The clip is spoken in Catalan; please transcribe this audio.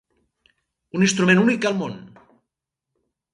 Un instrument únic al món.